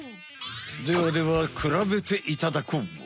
ではではくらべていただこう。